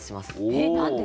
えっ何で？